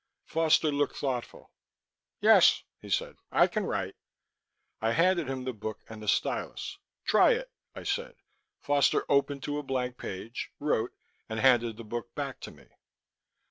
Foster looked thoughtful. "Yes," he said. "I can write." I handed him the book and the stylus. "Try it," I said. Foster opened to a blank page, wrote, and handed the book back to me.